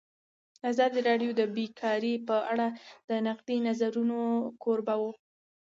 ازادي راډیو د بیکاري په اړه د نقدي نظرونو کوربه وه.